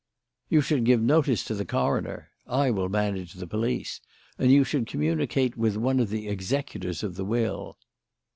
"You should give notice to the coroner I will manage the police and you should communicate with one of the executors of the will."